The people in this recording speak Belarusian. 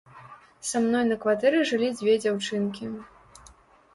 Са мной на кватэры жылі дзве дзяўчынкі.